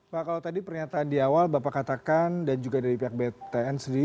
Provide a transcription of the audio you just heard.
pak kalau tadi pernyataan di awal bapak katakan dan juga dari pihak btn sendiri